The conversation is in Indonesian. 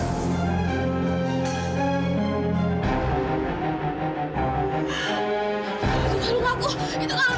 itu kalau aku itu kalau rizky